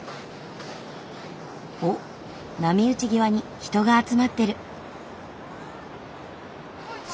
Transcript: おっ波打ち際に人が集まってる。